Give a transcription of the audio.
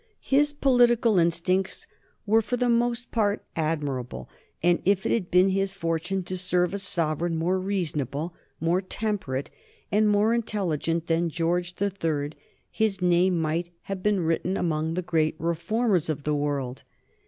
His political instincts were for the most part admirable, and if it had been his fortune to serve a sovereign more reasonable, more temperate, and more intelligent than George the Third his name might have been written among the great reformers of the world.